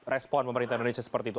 respon pemerintah indonesia seperti itu